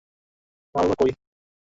মা বাবা কই?